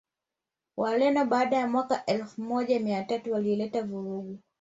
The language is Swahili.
Wareno baada ya mwaka Elfu moja miatano wailileta vurugu